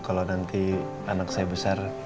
kalau nanti anak saya besar